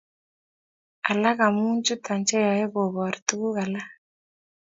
alak amu choto cheyoe koboor tuguk alak